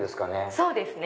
そうですね。